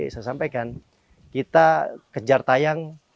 saya sampaikan kita kejar tayang